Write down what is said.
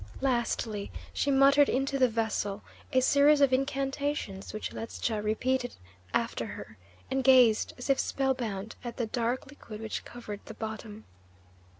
Lastly, she muttered into the vessel a series of incantations, which Ledscha repeated after her, and gazed as if spellbound at the dark liquid which covered the bottom.